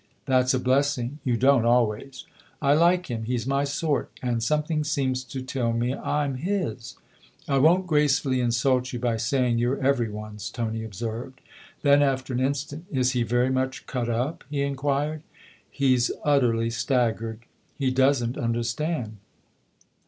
" That's a blessing you don't always ! I like him he's my sort. And something seems to tell me I'm his !"" I won't gracefully insult you by saying you're every one's/' Tony observed. Then, after an instant, " Is he very much cut up ?" he inquired. " He's utterly staggered. He doesn't understand."